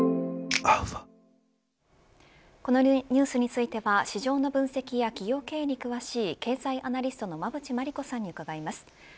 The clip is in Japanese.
このニュースについては市場の分析や企業経営に詳しい経済アナリストの馬渕磨理子さんに伺います。